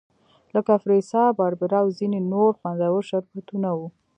لکه فریسا، باربیرا او ځیني نور خوندور شربتونه وو.